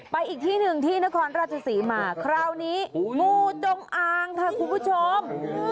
อีกที่หนึ่งที่นครราชศรีมาคราวนี้งูจงอางค่ะคุณผู้ชม